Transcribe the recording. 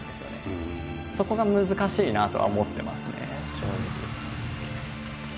そこが難しいなとは思ってますね正直。